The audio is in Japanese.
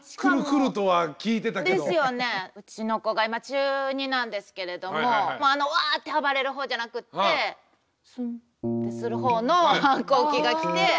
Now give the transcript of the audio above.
うちの子が今中２なんですけれどもあのワッて暴れるほうじゃなくって「スンッ」てするほうの反抗期が来て。